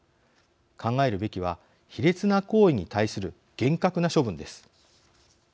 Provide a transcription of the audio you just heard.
考えるべきは卑劣な行為に対する厳格な処分です。